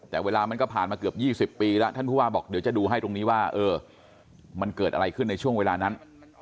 แต่เวลามันก็ผ่านมาเกือบ๒๐ปีแล้วท่านผู้ว่าบอกเดี๋ยวจะดูให้ตรงนี้ว่าเออมันเกิดอะไรขึ้นในช่วงเวลานั้น